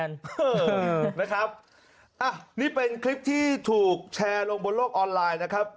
เออนะครับนี่เป็นคลิปที่ถูกแชร์ลงบนโลกออนไลน์นะครับ